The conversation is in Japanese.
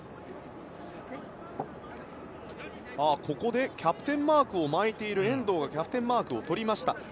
ここでキャプテンマークを巻いている遠藤がキャプテンマークを取りました。